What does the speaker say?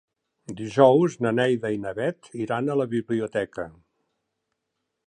Dijous na Neida i na Bet iran a la biblioteca.